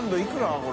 これ。